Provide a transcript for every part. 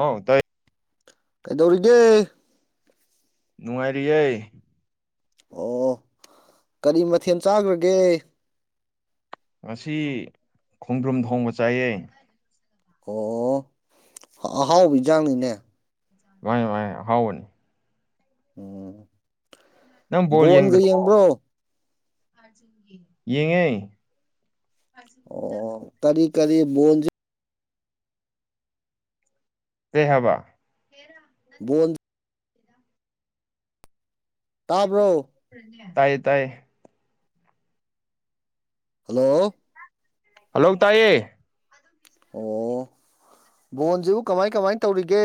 ꯑꯥꯎ ꯇ ꯀꯩꯗꯧꯔꯤꯒꯦ ꯅꯨꯡꯉꯥꯏꯔꯤꯩ ꯑꯣ ꯀꯔꯤ ꯃꯊꯦꯜ ꯆꯥꯈ꯭ꯔꯒꯦ ꯉꯁꯤ ꯈꯣꯡꯗ꯭ꯔꯨꯝ ꯊꯣꯡꯕ ꯆꯥꯏꯌꯦ ꯑꯣ ꯑꯍꯥꯎꯕ ꯆꯥꯡꯅꯤꯅꯦ ꯋꯥ ꯋꯥ ꯍꯥꯎꯅꯤ ꯎꯝ ꯅꯪ ꯕꯣꯟꯒ ꯌꯦꯡꯕ꯭ꯔꯣ ꯌꯦꯉꯏ ꯑꯣ ꯀꯔꯤ ꯀꯔꯤ ꯃꯣꯟꯖ ꯁꯍꯕ ꯕꯣꯟ ꯇꯥꯕ꯭ꯔꯣ ꯇꯌꯦ ꯇꯌꯦ ꯍꯜꯂꯣ ꯍꯜꯂꯣ ꯇꯌꯦ ꯑꯣ ꯕꯣꯟꯁꯤꯕꯨ ꯀꯃꯥꯏ ꯀꯃꯥꯏ ꯇꯧꯔꯤꯒꯦ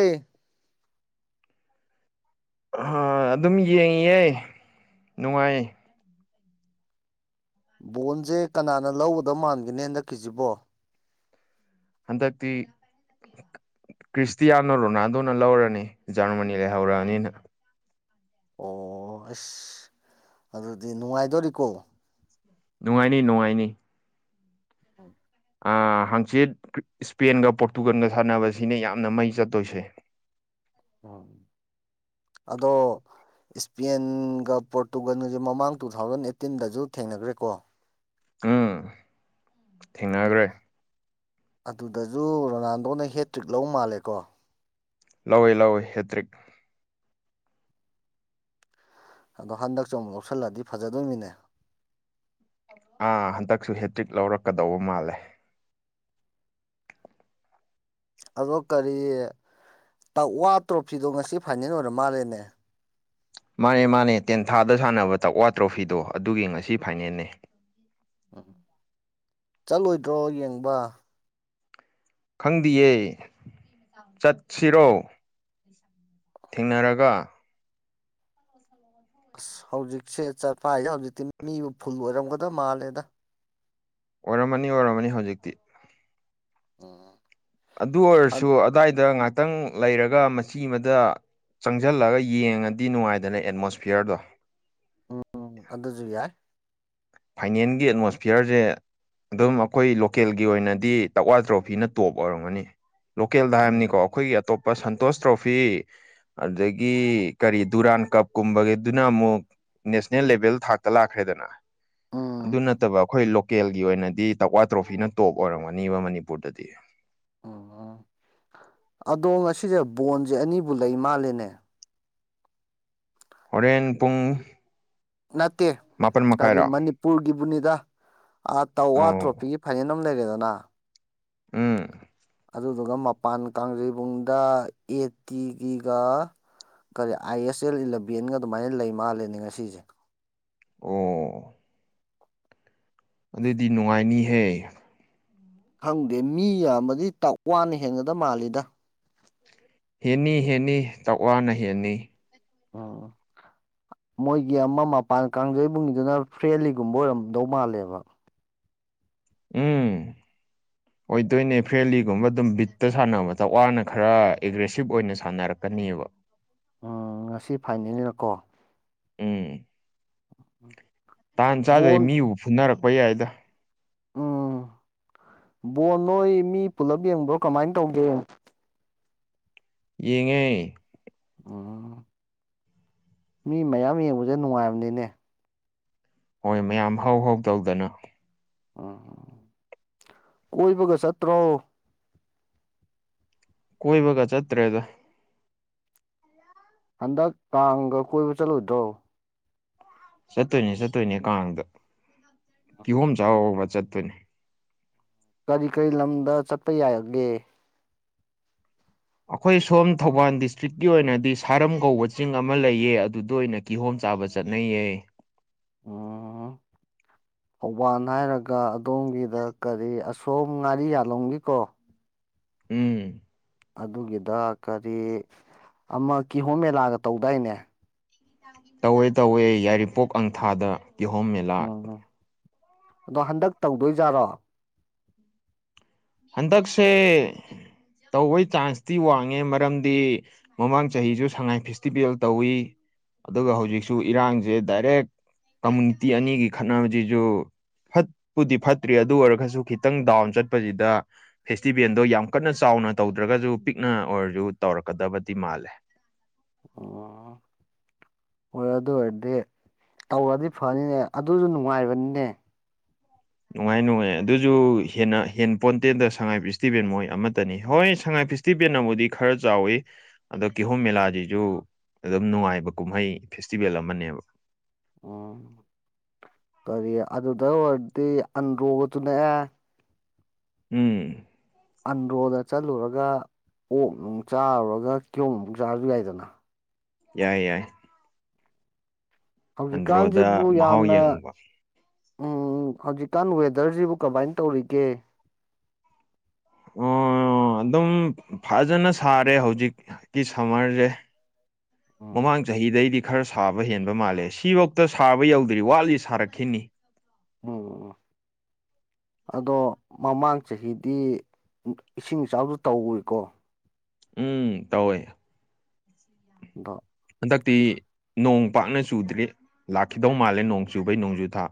ꯑꯗꯨꯝ ꯌꯦꯡꯉꯑꯦ ꯅꯨꯡꯉꯥꯏ ꯕꯣꯟꯁꯦ ꯀꯅꯥꯅ ꯂꯧꯒꯗꯕ ꯃꯥꯟꯒꯦꯅꯦ ꯍꯟꯗꯛꯀꯤꯁꯤꯕꯣ ꯍꯟꯗꯛꯇ ꯈ꯭ꯔꯤꯁꯇꯤꯌꯥꯅꯣ ꯔꯣꯅꯥꯜꯗꯣꯅ ꯂꯧꯔꯅꯤ ꯖꯔꯃꯅꯤ ꯂꯩꯍꯧꯔꯛꯑꯅꯤꯅ ꯑꯣ ꯑꯁ ꯑꯗꯨꯗꯤ ꯅꯨꯡꯉꯥꯏꯗꯣꯔꯤꯀꯣ ꯅꯨꯡꯉꯥꯏꯅꯤ ꯅꯨꯡꯉꯥꯏꯅꯤ ꯍ ꯍꯥꯡꯆꯤꯠ ꯏꯁꯄꯦꯟꯒ ꯄꯣꯔꯇꯨꯒꯜꯒ ꯁꯥꯟꯅꯕꯁꯤꯅ ꯌꯥꯝꯅ ꯃꯩ ꯆꯠꯇꯣꯏꯁꯦ ꯎ ꯑꯗꯣ ꯏꯁꯄꯦꯟꯒ ꯄꯣꯔꯇꯨꯒꯜꯁꯦ ꯃꯃꯥꯡ ꯇꯨ ꯊꯥꯎꯖꯟ ꯑꯦꯠꯇꯤꯟꯗꯁꯨ ꯊꯦꯡꯅꯈ꯭ꯔꯦꯀꯣ ꯎꯝ ꯊꯦꯡꯅꯈ꯭ꯔꯦ ꯑꯗꯨꯗꯖ ꯔꯣꯅꯥꯜꯗꯣꯅ ꯍꯦꯇ꯭ꯔꯤꯛ ꯂ ꯃꯥꯜꯂꯦꯀꯣ ꯂꯧꯋꯏ ꯂꯧꯋꯏ ꯍꯦꯇ꯭ꯔꯤꯛ ꯑꯗꯣ ꯍꯟꯗꯛꯁꯨ ꯑꯃꯨꯛ ꯂꯧꯁꯤꯜꯂꯗꯤ ꯐꯖꯗꯣꯏꯅꯤꯅꯦ ꯑꯥ ꯍꯟꯗꯛꯁꯨ ꯍꯦꯇ꯭ꯔꯤꯛ ꯂꯧꯔꯛꯀꯗꯧꯕ ꯃꯥꯜꯂꯦ ꯑꯗꯣ ꯀꯔꯤ ꯇꯛꯋꯥ ꯇ꯭ꯔꯣꯐꯤꯗꯣ ꯉꯁꯤ ꯐꯥꯏꯅꯦꯜ ꯑꯣꯏꯔ ꯃꯥꯜꯂꯦꯅꯦ ꯃꯥꯅꯦ ꯃꯥꯅꯦ ꯇꯦꯟꯊꯥꯗ ꯁꯥꯟꯅꯕ ꯇꯛꯋꯥ ꯇ꯭ꯔꯣꯐꯤꯗꯣ ꯑꯗꯨꯒꯤ ꯉꯁꯤ ꯐꯥꯏꯅꯦꯜꯅꯤ ꯎꯝ ꯆꯠꯂꯣꯏꯗ꯭ꯔꯣ ꯌꯦꯡꯕ ꯈꯪꯗꯤꯌꯦ ꯆꯠꯁꯤꯔꯣ ꯊꯦꯡꯅꯔꯒ ꯑꯁ ꯍꯧꯖꯤꯛꯁꯦ ꯆꯠꯄꯥꯏꯁꯦ ꯍꯧꯖꯤꯛꯇꯤ ꯃꯤꯕꯨ ꯐꯨꯜ ꯑꯣꯏꯔꯝꯒꯗꯕ ꯃꯥꯜꯂꯦꯗ ꯑꯣꯏꯔꯝꯃꯅꯤ ꯑꯣꯏꯔꯝꯃꯅꯤ ꯍꯧꯖꯤꯛꯇꯤ ꯎ ꯑꯗꯨ ꯑꯣꯏꯔꯁꯨ ꯑꯗꯨꯋꯥꯏꯗ ꯉꯥꯛꯇꯪ ꯂꯩꯔꯒ ꯃꯆꯤ ꯑꯃꯗ ꯆꯪꯁꯜꯂꯒ ꯌꯦꯡꯉꯗꯤ ꯅꯨꯡꯉꯥꯏꯗꯅ ꯑꯦꯠꯃꯣꯁꯐꯤꯌꯔꯗꯣ ꯎꯝ ꯑꯗꯨꯁꯨ ꯌꯥꯏ ꯐꯥꯏꯅꯦꯟꯒꯤ ꯑꯦꯠꯃꯣꯁꯐꯤꯌꯔꯁꯦ ꯑꯗꯨꯝ ꯑꯩꯈꯣꯏ ꯂꯣꯀꯦꯜꯒꯤ ꯑꯣꯏꯅꯗꯤ ꯇꯛꯋꯥ ꯇ꯭ꯔꯣꯐꯤꯅ ꯇꯣꯞ ꯑꯣꯏꯔꯝꯒꯅꯤ ꯂꯣꯀꯦꯜꯗ ꯎꯝ ꯍꯥꯏꯕꯅꯤꯀꯣ ꯑꯩꯈꯣꯏꯒꯤ ꯑꯇꯣꯞꯄ ꯁꯟꯇꯣꯁ ꯇ꯭ꯔꯣꯐꯤ ꯑꯗꯒꯤ ꯀꯔꯤ ꯗꯨꯔꯥꯟ ꯀꯞꯀꯨꯝꯕꯒꯤꯗꯨꯅ ꯑꯃꯨꯛ ꯅꯦꯁꯅꯦꯜ ꯂꯦꯚꯦꯜ ꯊꯥꯛꯇ ꯂꯥꯛꯈ꯭ꯔꯦ ꯗꯅ ꯎꯝ ꯑꯗꯨ ꯅꯠꯇꯕ ꯑꯩꯈꯣꯏ ꯂꯣꯀꯦꯜꯒꯤ ꯑꯣꯏꯅꯗꯤ ꯇꯛꯋꯥ ꯇ꯭ꯔꯣꯐꯤꯅ ꯇꯣꯞ ꯑꯣꯏꯔꯝꯒꯅꯤꯕ ꯃꯅꯤꯄꯨꯔꯗꯗꯤ ꯎꯝ ꯎ ꯑꯗꯣ ꯉꯁꯤꯁꯦ ꯕꯣꯟꯁꯦ ꯑꯅꯤꯕꯨ ꯂꯩ ꯃꯥꯂꯦꯅꯦ ꯍꯣꯔꯦꯟ ꯄꯨꯡ ꯅꯠꯇꯦ ꯃꯥꯄꯟ ꯀꯔꯤ ꯃꯈꯥꯏꯔꯣ ꯃꯅꯤꯄꯨꯔꯒꯤꯕꯨꯅꯤꯗ ꯑꯥ ꯇꯋꯥ ꯑꯣ ꯇ꯭ꯔꯣꯐꯤꯒꯤ ꯐꯥꯏꯅꯦꯜ ꯑꯃ ꯂꯩꯔꯦꯗꯅ ꯎꯝ ꯑꯗꯨꯗꯨꯒ ꯃꯄꯥꯟ ꯀꯥꯡꯖꯩꯕꯨꯡꯗ ꯑꯦ ꯇꯤꯒꯤꯒ ꯀꯔꯤ ꯑꯥꯏ ꯑꯦꯁ ꯑꯦꯜ ꯏꯂꯚꯦꯟꯒ ꯑꯗꯨꯃꯥꯏꯅ ꯂꯩ ꯃꯥꯜꯂꯦꯅꯦ ꯉꯁꯤꯁꯦ ꯑꯣ ꯑꯗꯨꯗꯤ ꯅꯨꯡꯉꯥꯏꯅꯤꯍꯦ ꯈꯪꯗꯦ ꯃꯤ ꯌꯥꯝꯃꯗꯤ ꯇꯥꯛ ꯋꯥꯅ ꯍꯦꯟꯒꯗ ꯃꯥꯜꯂꯤꯗ ꯍꯦꯟꯅꯤ ꯍꯦꯟꯅꯤ ꯇꯋꯥꯅ ꯍꯦꯟꯅꯤ ꯑꯣ ꯃꯣꯏꯒꯤ ꯑꯃ ꯃꯄꯥꯟ ꯀꯥꯡꯖꯩꯕꯨꯨꯡꯉꯗꯨꯅ ꯐ꯭ꯔꯦꯜꯂꯤꯒꯨꯝꯕ ꯑꯣꯏꯔꯝꯗꯧ ꯃꯥꯜꯂꯦꯕ ꯎꯝ ꯑꯣꯏꯗꯣꯏꯅꯦ ꯐ꯭ꯔꯦꯂꯤꯒꯨꯝꯕ ꯑꯗꯨꯝ ꯕꯤꯠꯇ ꯁꯥꯟꯅꯕꯗ ꯋꯥꯡꯅ ꯈꯔ ꯑꯦꯒ꯭ꯔꯦꯁꯤꯞ ꯑꯣꯏꯅ ꯁꯥꯟꯅꯔꯛꯀꯅꯦꯕ ꯎꯝ ꯉꯁꯤ ꯐꯥꯏꯅꯦꯜꯅꯀꯣ ꯎꯝ ꯎꯝ ꯇꯥꯟ ꯆꯥꯗꯩ ꯃꯤꯕꯨ ꯐꯨꯅꯔꯛꯄ ꯌꯥꯏꯗ ꯎꯝ ꯕꯣ ꯅꯣꯏ ꯃꯤ ꯄꯨꯂꯞ ꯌꯦꯡꯕ꯭ꯔꯣ ꯀꯃꯥꯏꯅ ꯇꯧꯒꯦ ꯌꯦꯉ ꯎꯝ ꯃꯤ ꯃꯌꯥꯝ ꯌꯦꯡꯕꯁꯦ ꯅꯨꯡꯉꯥꯏꯕꯅꯤꯅꯦ ꯍꯣꯏ ꯃꯌꯥꯝ ꯍꯧ ꯍꯧꯥꯎ ꯇꯧꯗꯅ ꯎꯝ ꯀꯣꯏ ꯄꯈꯠ ꯁꯠꯇ꯭ꯔꯣ ꯀꯣꯏ ꯕ ꯆꯠꯇ꯭ꯔꯦꯗ ꯍꯟꯗꯛ ꯀꯥꯡꯒ ꯀꯣꯏꯕ ꯆꯠꯂꯨꯗ꯭ꯔꯣ ꯆꯠꯇꯣꯏꯅꯦ ꯆꯠꯇꯣꯏꯅꯦ ꯀꯥꯡꯗ ꯀꯤꯍꯣꯝ ꯆꯥꯎꯕ ꯆꯠꯇꯣꯏꯅꯦ ꯀꯔꯤ ꯀꯔꯤ ꯂꯝꯗ ꯆꯠꯄ ꯌꯥꯏꯒꯦ ꯑꯩꯈꯣꯏ ꯁꯣꯝ ꯊꯧꯕꯥꯜ ꯗꯤꯁꯇ꯭ꯔꯤꯛꯀꯤ ꯑꯣꯏꯅꯗꯤ ꯁꯥꯔꯝ ꯀꯧꯕ ꯆꯤꯡ ꯑꯃ ꯂꯩꯌꯦ ꯑꯗꯨꯗ ꯑꯣꯏꯅ ꯀꯤꯍꯣꯝ ꯆꯥꯕ ꯆꯠꯅꯩꯌꯦ ꯑꯣ ꯊꯧꯕꯥꯜ ꯍꯥꯏꯔꯒ ꯑꯗꯣꯝꯒꯤꯗ ꯀꯔꯤ ꯑꯁꯣꯝ ꯉꯥꯔꯤ ꯌꯥꯜꯂꯝꯒꯦꯀꯣ ꯎꯝ ꯑꯗꯨꯒꯤꯗ ꯀꯔꯤ ꯑꯃ ꯀꯤꯍꯣꯝ ꯃꯦꯂꯥꯒ ꯇꯧꯗꯥꯏꯅꯦ ꯇꯧꯋꯦ ꯇꯧꯋꯦ ꯌꯥꯏꯔꯤꯄꯣꯛ ꯑꯪꯊꯥꯗ ꯀꯤꯍꯣꯝ ꯃꯦꯂꯥ ꯎꯝ ꯑꯗꯣ ꯍꯟꯗꯛ ꯇꯧꯗꯣꯏꯖꯥꯔꯣ ꯍꯟꯇꯛꯁꯦ ꯇꯧꯕꯩ ꯆꯥꯟꯁꯇꯤ ꯋꯥꯡꯉꯦ ꯃꯔꯝꯗꯤ ꯃꯃꯥꯡ ꯆꯍꯤꯁꯨ ꯁꯉꯥꯏ ꯐꯦꯁꯇꯤꯚꯦꯜ ꯇꯧꯏꯤ ꯑꯗꯨꯒ ꯍꯧꯖꯤꯛꯁꯨ ꯏꯔꯥꯡꯁꯦ ꯗꯥꯏꯔꯦꯛ ꯀꯝꯃꯨꯅꯤꯇꯤ ꯑꯅꯤꯒꯤ ꯈꯠꯅꯕꯁꯤꯁꯨ ꯐꯠꯄꯨꯗꯤ ꯐꯠꯇ꯭ꯔꯤ ꯑꯗꯨ ꯑꯣꯏꯔꯒꯁꯨ ꯈꯤꯇꯪ ꯗꯥꯎꯟ ꯆꯠꯄꯁꯤꯗ ꯐꯦꯁꯇꯤꯚꯦꯜꯗꯣ ꯌꯥꯝ ꯀꯟꯅ ꯆꯥꯎꯅ ꯇꯧꯗ꯭ꯔꯒꯁꯨ ꯄꯤꯛꯅ ꯑꯣꯏꯔꯁꯨ ꯇꯧꯔꯛꯀꯗꯕꯗꯤ ꯃꯥꯜꯂꯦ ꯑꯣ ꯍꯣꯏ ꯑꯗꯨ ꯑꯣꯏꯔꯗꯤ ꯇꯧꯔꯗꯤ ꯐꯅꯤꯅꯦ ꯑꯗꯨꯁꯨ ꯅꯨꯡꯉꯥꯏꯔꯕꯅꯤꯅꯦ ꯅꯨꯡꯉꯥꯏ ꯅꯨꯡꯉꯥꯏ ꯑꯗꯨꯁꯨ ꯍꯦꯟꯅ ꯍꯦꯟ ꯄꯣꯟꯇꯦꯜꯗ ꯁꯉꯥꯏ ꯐꯦꯁꯇꯤꯚꯦꯜ ꯃꯣꯏ ꯑꯃꯠꯇꯅꯤ ꯍꯣꯏ ꯁꯉꯥꯏ ꯐꯦꯁꯇꯤꯚꯦꯜꯅꯕꯨꯗꯤ ꯈꯔ ꯆꯥꯎꯋꯤ ꯑꯗꯣ ꯀꯤꯍꯣꯝ ꯃꯦꯂꯥꯁꯤꯁꯨ ꯑꯗꯨꯝ ꯅꯨꯡꯉꯥꯏꯕ ꯀꯨꯝꯍꯩ ꯐꯦꯁꯇꯤꯚꯦꯜ ꯑꯃꯅꯦꯕ ꯑ ꯀꯔꯤ ꯑꯗꯨꯗ ꯑꯣꯏꯔꯗꯤ ꯑꯟꯗ꯭ꯔꯣꯒ ꯆ ꯅꯛꯑꯦ ꯎꯝ ꯑꯟꯗ꯭ꯔꯣꯗ ꯆꯠꯂꯨꯔꯒ ꯑꯣꯛ ꯅꯨꯡ ꯆꯥꯔꯨꯔꯒ ꯀꯤꯌꯣꯝꯃꯨꯛ ꯆꯥꯔꯁꯨ ꯌꯥꯏꯗꯅ ꯌꯥꯏ ꯌꯥꯏ ꯑꯟꯗ꯭ꯔꯣꯗ ꯍꯧꯖꯤꯛꯀꯥꯟꯁꯤꯕꯨ ꯃꯍꯥꯎ ꯌꯥꯝꯅ ꯌꯦꯡꯉꯨꯕ ꯎꯝ ꯍꯧꯖꯤꯛꯀꯥꯟ ꯋꯦꯗꯔꯁꯤꯕꯨ ꯀꯃꯥꯏꯅ ꯇꯧꯔꯤꯒꯦ ꯑꯣ ꯑꯗꯨꯝ ꯐꯖꯅ ꯁꯥꯔꯦ ꯍꯧꯖꯤꯛꯀꯤ ꯁꯝꯃꯔꯁꯦ ꯎꯝ ꯃꯃꯥꯡ ꯆꯍꯤꯗꯩꯗꯤ ꯈꯔ ꯁꯥꯕ ꯍꯦꯟꯕ ꯃꯥꯜꯂꯦ ꯁꯤꯐꯧꯇ ꯁꯥꯕ ꯌꯧꯗ꯭ꯔꯤ ꯋꯥꯠꯂꯤ ꯁꯥꯔꯛꯈꯤꯅꯤ ꯎꯝ ꯑꯗꯣ ꯃꯃꯥꯡ ꯆꯍꯤꯗꯤ ꯏꯁꯤꯡ ꯏꯆꯥꯎꯁꯨ ꯇꯧꯏꯀꯣ ꯎꯝ ꯇꯧꯋꯦ ꯗ ꯍꯗꯥꯛꯇ ꯅꯣꯡ ꯄꯥꯛꯅ ꯆꯨꯗ꯭ꯔꯤ ꯂꯥꯛꯈꯤꯗꯧ ꯃꯥꯜꯂꯦ ꯅꯣꯡ ꯆꯨꯕꯩ ꯅꯣꯡꯖꯨ ꯊꯥ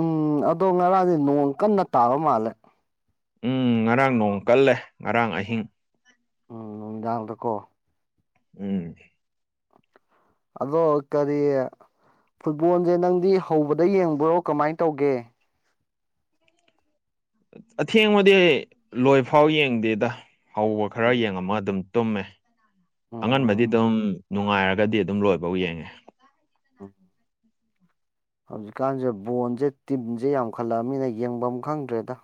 ꯎꯝ ꯑꯗꯣ ꯉꯔꯥꯡꯁꯦ ꯅꯣꯡ ꯀꯟꯅ ꯇꯥꯕ ꯃꯥꯜꯂꯦ ꯎꯝ ꯉꯔꯥꯡ ꯅꯣꯡ ꯀꯜꯂꯦ ꯉꯔꯥꯡ ꯑꯍꯤꯡ ꯎꯝ ꯅꯨꯡꯗꯥꯡꯗꯀꯣ ꯎꯝ ꯑꯗꯣ ꯀꯔꯤ ꯐꯨꯠꯕꯣꯜꯁꯦ ꯅꯪꯗꯤ ꯍꯧꯕꯗ ꯌꯦꯡꯕ꯭ꯔꯣ ꯀꯃꯥꯏꯅ ꯇꯧꯒꯦ ꯑꯊꯦꯡꯕꯗꯤ ꯂꯣꯏꯐꯥꯎ ꯌꯦꯡꯗꯦꯗ ꯍꯧꯕ ꯈꯔ ꯌꯦꯡꯉꯝꯃ ꯑꯗꯨꯝ ꯇꯨꯝꯃꯦ ꯑꯉꯟꯕꯗꯤ ꯎꯝ ꯑꯗꯨꯝ ꯅꯨꯡꯉꯥꯏꯔꯒꯗꯤ ꯑꯗꯨꯝ ꯂꯣꯏꯕꯧ ꯌꯦꯡꯉꯦ ꯑꯣ ꯍꯧꯖꯤꯛꯀꯥꯟꯁꯦ ꯕꯣꯣꯟꯁꯦ ꯇꯤꯤꯟꯁꯦ ꯌꯥꯝꯈꯠꯂꯛꯑꯕꯅꯤꯅ ꯌꯦꯡꯐꯝ ꯈꯪꯗ꯭ꯔꯦꯗ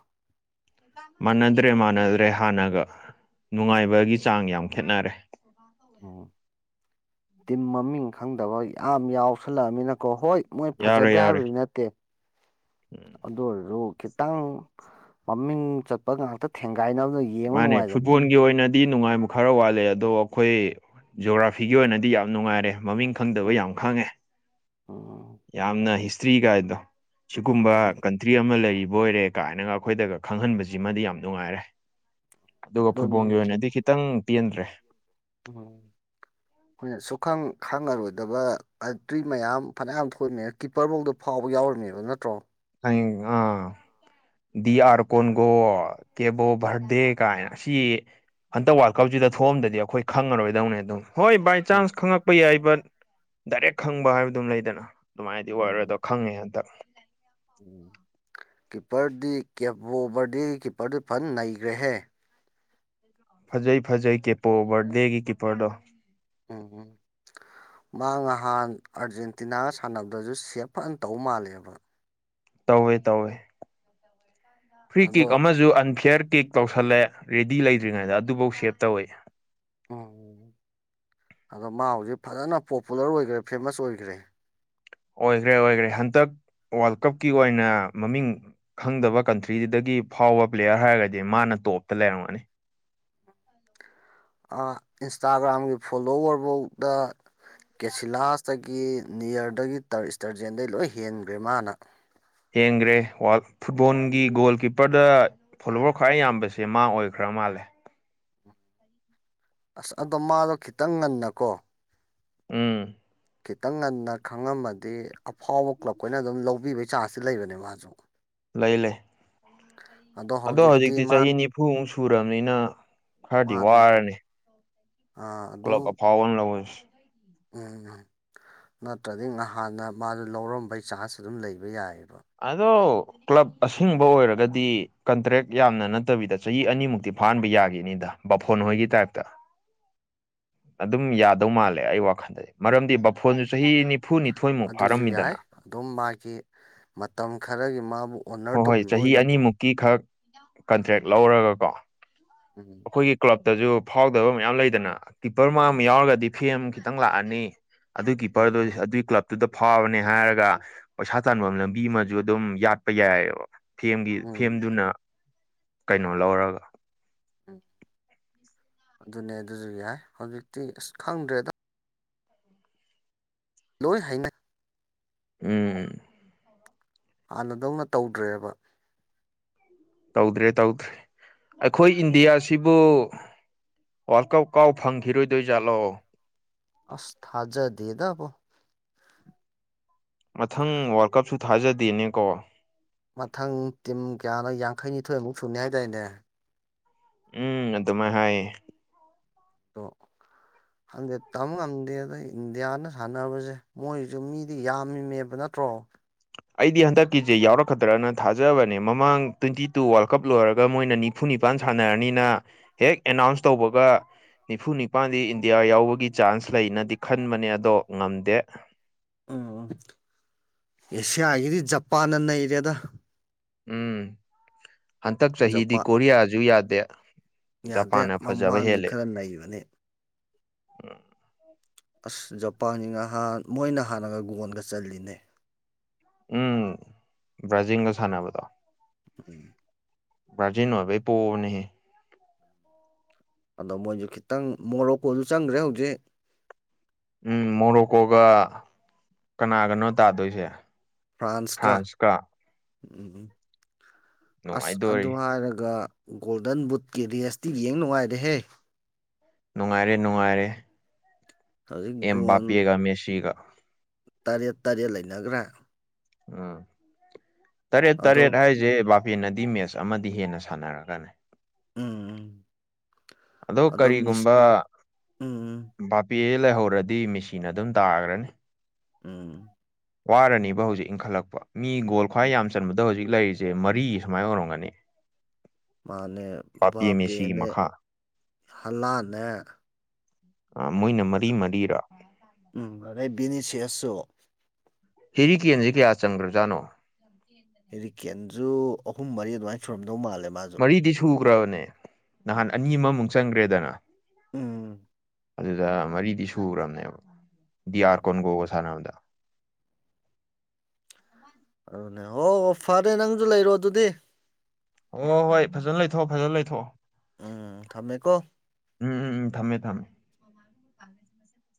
ꯃꯥꯟꯅꯗ꯭ꯔꯦ ꯃꯥꯟꯅꯗ꯭ꯔꯦ ꯍꯥꯟꯅꯒ ꯅꯨꯡꯉꯥꯏꯕꯒꯤ ꯆꯥꯡ ꯌꯥꯝ ꯈꯦꯠꯅꯔꯦ ꯎꯝ ꯇꯤꯝ ꯃꯃꯤꯡ ꯈꯪꯗꯕ ꯌꯥꯝ ꯌꯥꯎꯁꯜꯂꯛꯑꯃꯤꯅꯀꯣ ꯍꯣꯏ ꯃꯣꯏ ꯌꯥꯎꯔꯦ ꯐꯖꯗꯦ ꯌꯥꯎꯔꯦ ꯍꯥꯏꯕꯗꯤ ꯅꯠꯇꯦ ꯎꯝ ꯑꯗꯨ ꯑꯣꯏꯔꯁꯨ ꯈꯤꯇꯪ ꯃꯃꯤꯡ ꯆꯠꯄ ꯉꯥꯛꯇ ꯊꯦꯡꯒꯥꯏꯅꯕꯅ ꯌꯦꯡꯕ ꯅꯨꯡꯉꯥꯏꯗꯅ ꯗꯤ ꯅꯨꯡꯉꯥꯏꯕ ꯈꯔ ꯋꯥꯠꯂꯦ ꯑꯗꯣ ꯑꯩꯈꯣꯏ ꯖꯤꯣꯒ꯭ꯔꯥꯐꯤꯒꯤ ꯑꯣꯏꯅꯗꯤ ꯌꯥꯝ ꯅꯨꯡꯉꯥꯏꯔꯦ ꯃꯃꯤꯡ ꯈꯪꯗꯕ ꯎꯝ ꯌꯥꯝ ꯈꯪꯉꯦ ꯎꯝ ꯌꯥꯝꯅ ꯍꯤꯁꯇ꯭ꯔꯤ ꯀꯥꯏꯗꯣ ꯁꯤꯒꯨꯝꯕ ꯎꯝ ꯀꯟꯇ꯭ꯔꯤ ꯑꯃ ꯂꯩꯔꯤꯕ ꯕꯣꯏꯔꯦ ꯀꯥꯏꯅꯒ ꯑꯩꯈꯣꯏꯗꯒ ꯈꯪꯍꯟꯕꯁꯤꯃꯗꯤ ꯌꯥꯝ ꯅꯨꯡꯉꯥꯏꯔꯦ ꯑꯗꯨꯒ ꯑꯗꯨꯅꯤ ꯐꯨꯠꯕꯣꯜꯒꯤ ꯑꯣꯏꯅꯗꯤ ꯈꯤꯇꯪ ꯄꯦꯟꯗ꯭ꯔꯦ ꯎꯝ ꯍꯣꯏ ꯁꯨꯈꯪ ꯈꯪꯉꯔꯣꯏꯗꯕ ꯇ꯭ꯔꯤ ꯃꯌꯥꯝ ꯐꯅꯌꯥꯝ ꯊꯣꯛꯃꯦ ꯀꯤꯞꯄꯔꯐꯧꯗꯣ ꯐꯥꯎꯕ ꯌꯥꯎꯔꯝꯃꯦꯕ ꯅꯠꯇ꯭ꯔꯣ ꯑꯥ ꯑꯔ ꯀꯣꯟꯒꯣ ꯀꯦꯕꯣ ꯔ ꯗꯦ ꯀꯥꯏ ꯑꯁꯤ ꯍꯟꯇꯛ ꯋꯥꯔꯜ ꯀꯞꯁꯤꯗ ꯊꯣꯛꯑꯝꯗꯗꯤ ꯑꯩꯈꯣꯏ ꯈꯪꯉꯔꯣꯏꯗꯧꯅꯦ ꯑꯗꯨꯝ ꯍꯣꯏ ꯕꯥꯏ ꯎꯝ ꯆꯥꯟꯁ ꯈꯪꯉꯛꯄ ꯌꯥꯏ ꯕꯠ ꯗꯥꯏꯔꯦꯛ ꯈꯪꯕ ꯍꯥꯏꯕꯗꯨꯝ ꯂꯩꯗꯅ ꯑꯗꯨꯃꯥꯏꯗꯤ ꯑꯣꯏꯔꯣꯏꯗꯣ ꯎꯝ ꯈꯪꯉꯦ ꯍꯟꯗꯛ ꯎꯝ ꯀꯤꯞꯄꯔꯗꯤ ꯀꯦꯞꯕꯣ ꯕꯔꯗꯤꯒꯤ ꯀꯤꯞꯄꯔꯗꯨ ꯐꯟ ꯅꯩꯈ꯭ꯔꯦꯍꯦ ꯐꯖꯩ ꯐꯖꯩ ꯀꯦꯞꯄꯣ ꯕꯔꯗꯦꯒꯤ ꯀꯤꯞꯄꯔꯗꯣ ꯎꯝ ꯎꯝ ꯃꯥ ꯉꯍꯥꯟ ꯑꯥꯔꯖꯦꯟꯇꯤꯅꯥꯒ ꯁꯥꯟꯅꯕꯗꯁꯨ ꯁꯦꯞ ꯐꯅ ꯇꯧꯕ ꯃꯥꯜꯂꯦꯕ ꯇꯧꯋꯦ ꯇꯧꯋꯦ ꯐ꯭ꯔꯤ ꯑꯗꯣ ꯀꯦꯛ ꯑꯃꯁꯨ ꯑꯟꯐꯤꯌꯔ ꯀꯦꯛ ꯇꯧꯁꯜꯂꯦ ꯔꯦꯗꯤ ꯂꯩꯗ꯭ꯔꯤꯉꯩꯗ ꯑꯗꯨꯐꯧ ꯁꯦꯞ ꯇꯧꯏꯤ ꯎꯝ ꯑꯗꯣ ꯃꯥ ꯍꯧꯖꯤꯛ ꯐꯖꯅ ꯄꯣꯄꯨꯂꯔ ꯑꯣꯏꯈ꯭ꯔꯦ ꯐꯦꯃꯁ ꯑꯣꯏꯈ꯭ꯔꯦ ꯑꯣꯏꯈ꯭ꯔꯦ ꯑꯣꯏꯈ꯭ꯔꯦ ꯍꯟꯗꯛ ꯋꯥꯔꯜ ꯀꯞꯀꯤ ꯑꯣꯏꯅ ꯃꯃꯤꯡ ꯈꯪꯗꯕ ꯀꯟꯇ꯭ꯔꯤꯗꯨꯗꯒꯤ ꯐꯥꯎꯕ ꯄ꯭ꯂꯦꯌꯔ ꯍꯥꯏꯔꯒꯗꯤ ꯃꯥꯅ ꯇꯣꯞꯇ ꯂꯩꯔꯝꯒꯅꯤ ꯏꯟꯁꯇꯥꯒ꯭ꯔꯥꯝꯒꯤ ꯐꯣꯂꯣꯋꯔꯐꯧꯗ ꯀꯦꯁꯤꯂꯥꯁꯇꯒꯤ ꯅꯤꯌꯔꯗꯒꯤ ꯇꯔ ꯏꯁꯇꯔꯖꯦꯟꯗꯒꯤ ꯂꯣꯏ ꯍꯦꯟꯈ꯭ꯔꯦ ꯃꯥꯅ ꯌꯦꯡꯈ꯭ꯔꯦ ꯐꯨꯠꯕꯣꯜꯒꯤ ꯒꯣꯜ ꯀꯤꯞꯄꯔꯗ ꯐꯣꯂꯣꯋꯔ ꯈ꯭ꯋꯥꯏ ꯌꯥꯝꯕꯁꯦ ꯃꯥ ꯑꯣꯏꯈ꯭ꯔꯥ ꯀꯃꯥꯜꯂꯦ ꯑꯁ ꯑꯗꯣ ꯃꯥꯗꯣ ꯈꯤꯇꯪ ꯉꯟꯅꯀꯣ ꯎꯝ ꯈꯤꯇꯪ ꯉꯟꯅ ꯈꯪꯉꯝꯃꯗꯤ ꯑꯐꯥꯎꯕ ꯀ꯭ꯂꯕꯈꯣꯏꯅ ꯑꯗꯨꯝ ꯂꯧꯕꯤꯕꯩ ꯆꯥꯟꯁꯁꯤ ꯂꯩꯕꯅꯦ ꯃꯥꯁꯨ ꯂꯩ ꯂꯩꯦ ꯑꯗꯣ ꯍꯧꯖꯤꯛꯇꯤ ꯆꯍꯤ ꯅꯤꯐꯨꯃꯨꯛ ꯁꯨꯔꯕꯅꯤꯅ ꯈꯔꯗꯤ ꯃꯥꯅꯦ ꯋꯥꯔꯅꯤ ꯀꯂꯣ ꯑ ꯐꯥꯎꯅꯤ ꯂꯧꯑꯣ ꯎꯝ ꯎꯝ ꯅꯠꯇ꯭ꯔꯗꯤ ꯅꯍꯥꯟꯅ ꯃꯥꯗꯨ ꯂꯧꯔꯝꯕꯩ ꯆꯥꯟꯁ ꯑꯗꯨꯝ ꯂꯩꯕ ꯌꯥꯏꯑꯕ ꯑꯗꯣ ꯀ꯭ꯂꯕ ꯑꯁꯦꯡꯕ ꯑꯣꯏꯔꯒꯗꯤ ꯀꯟꯇ꯭ꯔꯦꯛ ꯌꯥꯝꯅ ꯅꯠꯇꯕꯤꯗ ꯆꯍꯤ ꯑꯅꯤꯃꯨꯛꯇꯤ ꯐꯥꯥꯟꯕ ꯌꯥꯒꯅꯤꯗ ꯕꯥꯐꯣꯟ ꯍꯣꯏꯒꯤ ꯇꯥꯏꯞꯇ [unintelligible] ꯑꯗꯨꯝ ꯌꯥꯗꯧ ꯃꯥꯜꯂꯦ ꯑꯩ ꯋꯥꯈꯜꯗꯗꯤ ꯃꯔꯝꯗꯤ ꯕꯥꯐꯣꯟꯁꯨ ꯆꯍꯤꯅꯤ ꯑꯗꯨꯁꯨ ꯌꯥꯏ ꯑꯗꯨꯝ ꯃꯥꯒꯤ ꯃꯇꯝ ꯈꯔꯒꯤ ꯃꯥꯕꯨ ꯑꯣꯅꯔ ꯍꯣꯏ ꯍꯣꯏ ꯇꯧꯕꯤꯕ ꯆꯍꯤ ꯑꯣꯏꯅꯀꯣ ꯑꯅꯤꯃꯨꯛꯀꯤ ꯈꯛ ꯀꯟꯇ꯭ꯔꯦꯛ ꯂꯧꯔꯒ ꯀꯣ ꯎꯝ ꯑꯩꯈꯣꯏꯒꯤ ꯀ꯭ꯂꯕ ꯇꯖꯁꯨ ꯐꯥꯎꯗꯕ ꯃꯌꯥꯝ ꯂꯩꯗꯅ ꯀꯤꯞꯄꯔ ꯃ ꯑꯃ ꯌꯥꯎꯔꯒꯗꯤ ꯐꯦꯝ ꯈꯤꯇꯪ ꯂꯥꯛꯑꯅꯤ ꯑꯗꯨ ꯀꯤꯞꯄꯔꯗꯨ ꯎꯝ ꯑꯗꯨꯒꯤ ꯀ꯭ꯂꯕ ꯇꯨꯗ ꯐꯥꯕꯅꯦ ꯍꯥꯏꯔꯒ ꯄꯩꯁꯥ ꯇꯐꯝ ꯂꯝꯕꯤ ꯑꯃꯁꯨ ꯑꯗꯨꯝ ꯌꯥꯠꯄ ꯌꯥꯏꯑꯕ ꯐꯦꯝꯒꯤ ꯎꯝ ꯎꯝ ꯐꯦꯝꯗꯨꯅ ꯀꯩꯅꯣ ꯂꯧꯔꯒ ꯑꯗꯨꯅꯦ ꯑꯗꯨꯁꯨ ꯌꯥꯏ ꯍꯧꯖꯤꯛꯇꯤ ꯑꯁ ꯈꯪꯗ꯭ꯔꯦꯗ ꯂꯣꯏ ꯍꯥꯏꯩꯅ ꯎꯝ ꯎꯝ ꯍꯥꯟꯅꯗꯧꯅ ꯇꯧꯗ꯭ꯔꯦꯕ ꯇꯧꯗ꯭ꯔꯦ ꯇꯧꯗ꯭ꯔꯦ ꯑꯩꯈꯣꯏ ꯏꯟꯗꯤꯌꯥꯁꯤꯕꯨ ꯋꯥꯔꯜ ꯀꯞ ꯀꯥꯎ ꯐꯪꯈꯤꯔꯣꯏꯗꯣꯏꯖꯥꯠꯂꯣ ꯑꯁ ꯊꯥꯖꯗꯤꯦꯗ ꯑꯕꯣ ꯃꯊꯪ ꯋꯥꯔꯜ ꯀꯞꯁꯨ ꯊꯥꯖꯗꯦꯅꯦꯀꯣ ꯃꯊꯪ ꯇꯤꯝ ꯀꯌꯥꯅꯣ ꯌꯥꯡꯈꯩꯅꯤꯊꯣꯏꯃꯨꯛ ꯁꯨꯅꯤ ꯍꯥꯏꯇꯥꯏꯦꯅꯦ ꯎꯝ ꯑꯗꯨꯃꯥꯏ ꯍꯥꯏꯌꯦ ꯇ ꯍꯪꯗꯦ ꯇꯝ ꯉꯝꯗꯦꯗ ꯏꯟꯗꯤꯌꯥꯅ ꯁꯥꯟꯅꯕꯁꯦ ꯃꯣꯏꯁꯨ ꯃꯤꯗꯤ ꯌꯥꯝꯃꯤꯃꯦꯕꯅ ꯅꯠꯇ꯭ꯔꯣ ꯑꯩꯗꯤ ꯍꯟꯗꯛꯀꯤꯁꯦ ꯌꯥꯎꯔꯛꯀꯗ꯭ꯔꯅ ꯊꯥꯖꯕꯅꯦ ꯃꯃꯥꯡ ꯇ꯭ꯋꯦꯟꯇꯤ ꯇꯨ ꯋꯥꯔꯜ ꯀꯞ ꯂꯣꯏꯔꯒ ꯃꯣꯏ ꯅꯤꯐꯨꯅꯤ ꯅꯤꯄꯥꯟ ꯁꯥꯟꯅꯔꯅꯤꯅ ꯍꯦꯛ ꯑꯦꯅꯥꯎꯟꯁ ꯇꯧꯕꯒ ꯅꯤꯐꯨ ꯅꯤꯄꯥꯜꯗꯤ ꯏꯟꯗꯤꯌꯥ ꯌꯥꯎꯕꯒꯤ ꯆꯥꯟꯁ ꯂꯩꯅꯗꯤ ꯈꯟꯕꯅꯦ ꯑꯗꯣ ꯉꯝꯗꯦ ꯑꯦꯁꯤꯌꯥ ꯍꯥꯏꯒꯤꯗꯤ ꯖꯄꯥꯟꯅ ꯑꯦꯔꯤꯌꯥꯗ ꯎꯝ ꯍꯟꯇꯛ ꯆꯍꯤꯗꯤ ꯖꯄꯥꯟ ꯀꯣꯔꯤꯌꯥꯁꯨ ꯌꯥꯗꯦ ꯌꯥꯗꯦ ꯖꯄꯥꯟꯅ ꯃꯃꯥꯡꯂꯤ ꯈꯔ ꯅꯩꯕꯅꯤ ꯎꯝ ꯑꯁ ꯖꯄꯥꯟꯁꯤꯅꯥꯟ ꯃꯣꯏꯅ ꯍꯥꯟꯅꯒ ꯒꯣꯟꯒ ꯆꯜꯂꯤꯅꯦ ꯎꯝ ꯕ꯭ꯔꯥꯖꯤꯜꯒ ꯁꯥꯟꯅꯕꯗꯣ ꯎ ꯭ꯔꯖꯅꯣꯕꯩ ꯄꯣꯅꯦ ꯑꯗꯣ ꯃꯣꯏꯁꯨ ꯈꯤꯇꯪ ꯃꯣꯔꯣꯛꯀꯣꯁꯨ ꯆꯪꯈ꯭ꯔꯦ ꯍꯧꯖꯤꯛ ꯎꯝ ꯃꯣꯔꯣꯀꯣꯒ ꯀꯅꯥꯒꯅꯣ ꯇꯥꯗꯣꯏꯁꯦ ꯐ꯭ꯔꯥꯟꯁ ꯀ ꯐ꯭ꯔꯥꯟꯁꯀ ꯎꯝ ꯎ ꯑꯁ ꯑꯗꯨ ꯅꯨꯡꯉꯥꯏꯗꯣꯔꯤ ꯍꯥꯏꯔꯒ ꯒꯣꯜꯗꯟ ꯕꯨꯠꯀꯤ ꯔꯤ ꯑꯦꯁꯇꯤ ꯌꯦꯡ ꯅꯨꯡꯉꯥꯏꯔꯦꯍꯦ ꯅꯨꯡꯉꯥꯏꯔꯦ ꯅꯨꯡꯉꯥꯏꯔꯦ ꯍꯧꯖꯤꯛ ꯑꯦꯝ ꯒꯣꯜ ꯕꯥꯄꯤꯤꯒ ꯃꯦꯁꯤꯤꯒ ꯇꯔꯦꯠ ꯇꯔꯦꯠ ꯂꯩꯅꯈ꯭ꯔꯥ ꯎꯝ ꯇꯔꯦꯠ ꯑꯗꯣ ꯇꯔꯦꯠ ꯍꯥꯏꯁꯦ ꯏꯁꯄꯦꯟꯅꯗꯤ ꯃꯦꯠꯆ ꯑꯃꯗꯤ ꯍꯦꯟꯅ ꯁꯥꯟꯅꯔꯒꯅꯤ ꯎꯝ ꯎꯝ ꯑꯗꯣ ꯀꯔꯤꯒꯨꯝꯕ ꯎꯝ ꯕꯥꯄꯤ ꯂꯩꯍꯧꯔꯗꯤ ꯃꯤꯁꯤꯅꯥ ꯑꯗꯨꯝ ꯇꯥꯒ꯭ꯔꯅꯤ ꯎꯝ ꯋꯥꯔꯅꯤꯕ ꯍꯧꯖꯤꯛ ꯏꯪꯈꯠꯂꯛꯄ ꯃꯤ ꯒꯣꯜ ꯈ꯭ꯋꯥꯏ ꯎꯝ ꯌꯥꯝ ꯆꯟꯕꯗ ꯍꯧꯖꯤꯛ ꯂꯩꯔꯤꯁꯦ ꯃꯔꯤ ꯁꯨꯃꯥꯏꯅ ꯑꯣꯏꯔꯝꯒꯅꯤ ꯃꯥꯅꯦ ꯕꯥꯄꯦ ꯃꯦꯁꯤꯒꯤ ꯕꯥꯄꯦꯅꯦ ꯃꯈꯥ ꯍꯜꯂꯥꯟꯅꯦ ꯑ ꯃꯣꯏꯅ ꯃꯔꯤ ꯃꯔꯤꯔꯥ ꯎꯝ ꯑꯗꯩ ꯕꯤꯅꯤꯁꯤꯌꯥꯁꯁꯨ ꯍꯦꯔꯤ ꯀꯦꯟꯖ‌ꯦ ꯀꯌꯥ ꯆꯪꯒ꯭ꯔꯖꯥꯠꯅꯣ ꯖꯨ ꯑꯍꯨꯝ ꯃꯔꯤ ꯑꯗꯨꯃꯥꯏꯅ ꯁꯨꯔꯝ ꯃꯔꯤꯗꯤ ꯁꯨꯈ꯭ꯔꯕꯅꯦ ꯅꯍꯥꯟ ꯑꯅꯤ ꯑꯃꯃꯨꯛ ꯆꯟꯈ꯭ꯔꯦꯗꯅ ꯎꯝ ꯑꯗꯨꯗ ꯃꯔꯤꯗꯤ ꯁꯨꯈ꯭ꯔꯕꯅꯦꯕ ꯎꯝ ꯗꯤꯌꯥꯥꯔ ꯎꯝ ꯀꯣꯟꯒꯣꯒ ꯁꯥꯟꯅꯕꯗ ꯑꯗꯨꯅꯦ ꯑꯣ ꯍꫭ ꯐꯔꯦ ꯅꯪꯁꯨ ꯂꯩꯔꯣ ꯑꯗꯨꯗꯤ ꯑꯣ ꯍꯣꯏ ꯐꯖꯅ ꯂꯩꯊꯣꯛꯑꯣ ꯐꯖꯅ ꯂꯩꯊꯣꯛꯑꯣ ꯎꯝ ꯊꯝꯃꯦꯀꯣ ꯦꯁꯦ [unintelligible]